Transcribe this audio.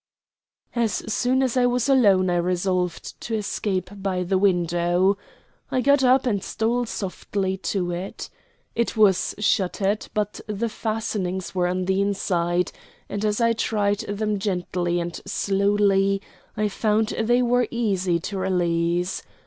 As soon as I was alone I resolved to escape by the window. I got up and stole softly to it. It was shuttered, but the fastenings were on the inside, and as I tried them gently and slowly I found they were easy to release.